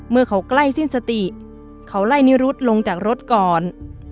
เมื่อเขาใกล้สิ้นสติเขาไล่นิรุธลงจากรถก่อน